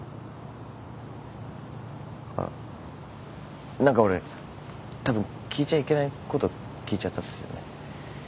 あっ何か俺たぶん聞いちゃいけないこと聞いちゃったっすよね。